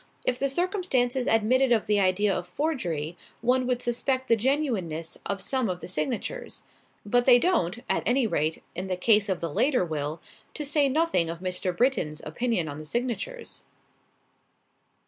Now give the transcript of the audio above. If the circumstances admitted of the idea of forgery, one would suspect the genuineness of some of the signatures. But they don't at any rate, in the case of the later will, to say nothing of Mr. Britton's opinion on the signatures."